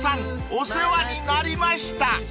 お世話になりました］